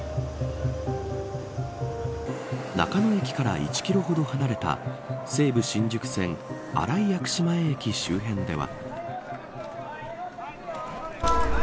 中野駅から１キロほど離れた西武新宿線新井薬師前駅周辺では。